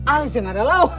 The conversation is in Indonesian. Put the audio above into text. ali sih gak ada lawan